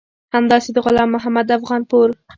همداسې د غلام محمد افغانپور